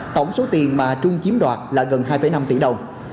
tổng số tiền mà trung chiếm đoạt là gần hai năm tỷ đồng